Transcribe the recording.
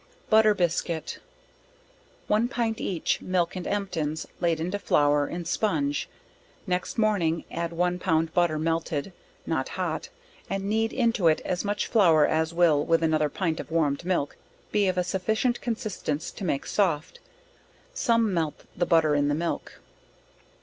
Butter Biscuit. One pint each milk and emptins, laid into flour, in sponge; next morning add one pound butter melted, not hot, and knead into as much flower as will with another pint of warmed milk, be of a sufficient consistance to make soft some melt the butter in the milk.